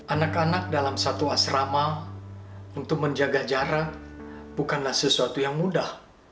anak anak dalam satu asrama untuk menjaga jarak bukanlah sesuatu yang mudah